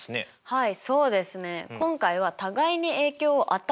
はい。